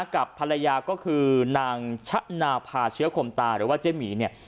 กับภรรยาก็คือนางชะนาภาเชื้อคมตาหรือว่าเจ๊หมีเนี่ย